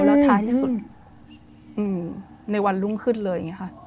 แล้วไท้สุดในวันรุ่งขึ้นเลย